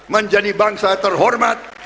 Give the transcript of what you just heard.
menjadi bangsa terhormat